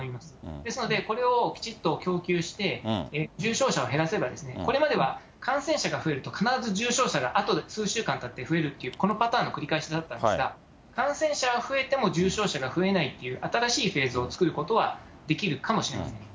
ですので、これをきちっと供給して、重症者を減らせば、これまでは感染者が増えると、必ず重症者があと数週間たって増えるっていう、このパターンの繰り返しだったんですが、感染者は増えても重症者が増えないという、新しいフェーズを作ることはできるかもしれません。